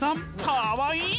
かわいい！